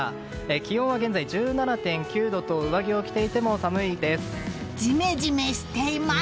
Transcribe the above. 気温は現在１７．９度と上着を着ていてもジメジメしています。